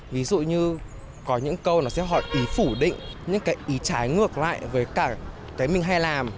ví dụ như có những câu nó sẽ hỏi ý phủ định những cái ý trái ngược lại với cả cái mình hay làm